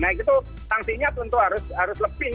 nah itu sanksinya tentu harus lebih